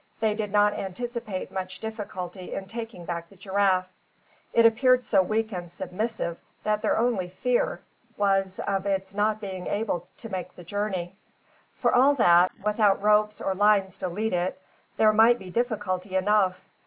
They did not anticipate much difficulty in taking back the giraffe. It appeared so weak and submissive that their only fear was of its not being able to make the journey. For all that, without ropes or lines to lead it, there might be difficulty enough.